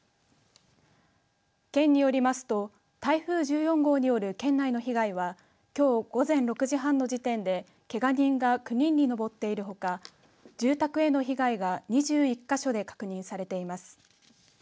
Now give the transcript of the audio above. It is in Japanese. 県によりますと台風１４号による県内の被害はきょう午前６時半の時点でけが人が９人に上っているほか住宅への被害が２１か所で確認されています。